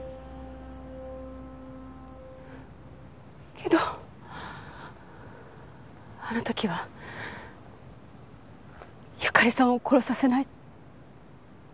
けどあの時は由香利さんを殺させない。